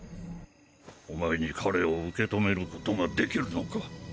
お前に彼を受け止めることができるのか。